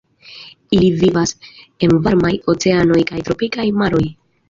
Ili vivas en varmaj oceanoj kaj tropikaj maroj.